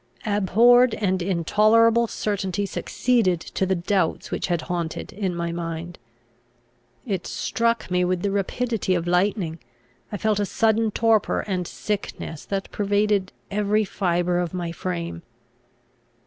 Abhorred and intolerable certainty succeeded to the doubts which had haunted my mind. It struck me with the rapidity of lightning. I felt a sudden torpor and sickness that pervaded every fibre of my frame.